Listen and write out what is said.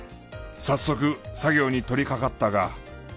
早速作業に取りかかったが。